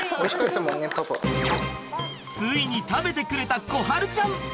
ついに食べてくれた心晴ちゃん。